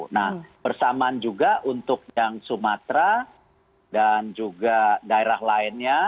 nah bersamaan juga untuk yang sumatera dan juga daerah lainnya